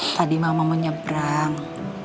tadi mama menyebrang